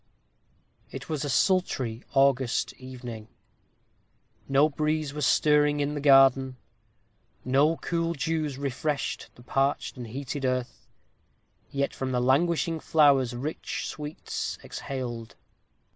It was a sultry August evening. No breeze was stirring in the garden; no cool dews refreshed the parched and heated earth; yet from the languishing flowers rich sweets exhaled.